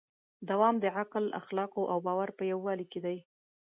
دوام د عقل، اخلاقو او باور په یووالي کې دی.